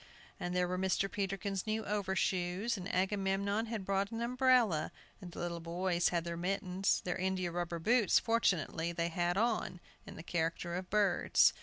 And there were Mr. Peterkin's new overshoes, and Agamemnon had brought an umbrella, and the little boys had their mittens. Their india rubber boots, fortunately, they had on, in the character of birds.